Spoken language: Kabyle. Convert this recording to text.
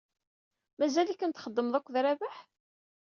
Mazal-ikem txeddmed akked Rabaḥ?